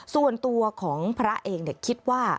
ส่วนตัวของพระเองคิดว่า